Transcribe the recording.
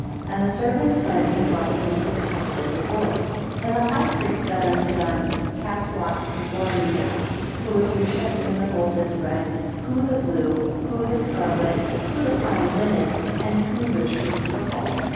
3 And the servants went and brought them into the temple of the Lord, and the high priest said unto them, Cast lots before me now, who of you shall spin the golden thread, who the blue, who the scarlet, who the fine linen, and who the true purple.